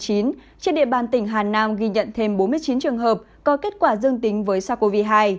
trên địa bàn tỉnh hà nam ghi nhận thêm bốn mươi chín trường hợp có kết quả dương tính với sars cov hai